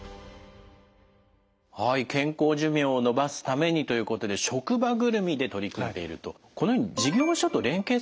はい健康寿命を延ばすためにということで職場ぐるみで取り組んでいると。